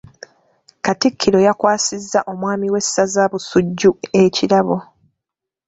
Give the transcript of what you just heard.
Katikkiro yakwasizza omwami w’essaza Busujju ekirabo.